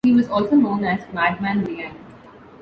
He was also known as Madman Liang.